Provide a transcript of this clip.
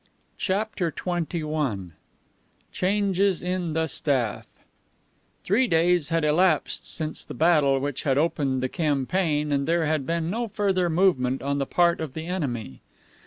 CHAPTER XXI CHANGES IN THE STAFF Three days had elapsed since the battle which had opened the campaign, and there had been no further movement on the part of the enemy.